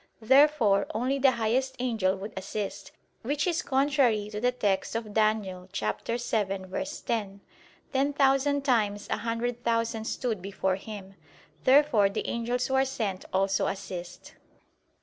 Therefore only the highest angel would assist; which is contrary to the text of Dan. 7:10: "Ten thousand times a hundred thousand stood before Him." Therefore the angels who are sent also assist.